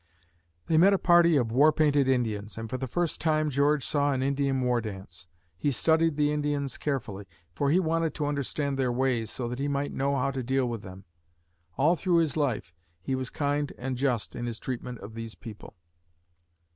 They met a party of war painted Indians, and for the first time George saw an Indian war dance. He studied the Indians carefully, for he wanted to understand their ways so that he might know how to deal with them. All through his life, he was kind and just in his treatment of these people.